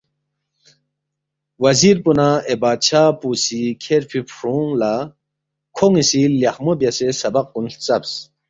وزیر پو نہ اے بادشاہ پو سی کھیرفی فرُونگ لہ کھون٘ی سی لیخمو بیاسے سبق کُن ہلژبس